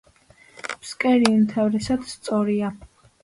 ფსკერი უმთავრესად სწორია.